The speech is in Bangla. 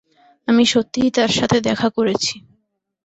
আমি সত্যিই তার সাথে দেখা করেছি।